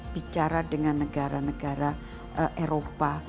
bicara dengan negara negara eropa